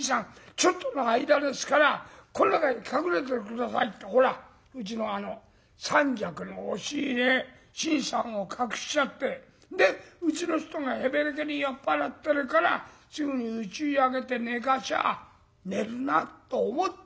ちょっとの間ですからこの中に隠れてて下さい』ってほらうちの三尺の押し入れ新さんを隠しちゃってでうちの人がへべれけに酔っ払ってるからすぐにうちへ上げて寝かしゃあ寝るなと思ったのよ。